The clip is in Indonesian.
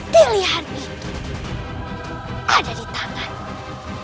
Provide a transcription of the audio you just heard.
pilihan itu ada di tanganmu